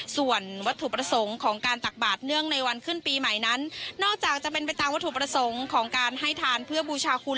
ส่วนวัตถุประสงค์ของการตักบาทเนื่องในวันขึ้นปีใหม่นั้นนอกจากจะเป็นไปตามวัตถุประสงค์ของการให้ทานเพื่อบูชาคุณ